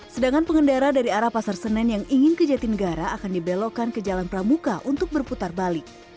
sedangkan pengendara dari arah pasar senen yang ingin ke jatinegara akan dibelokkan ke jalan pramuka untuk berputar balik